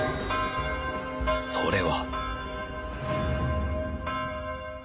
それは